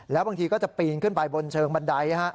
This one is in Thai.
แล้วบางทีก็จะปีนขึ้นไปบนเชิงบันได